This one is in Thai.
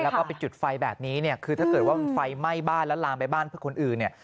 แล้วก็ไปจุดไฟแบบนี้เนี่ยคือถ้าเกิดว่ามันไฟไหม้บ้านแล้วลามไปบ้านเพื่อคนอื่นเนี่ย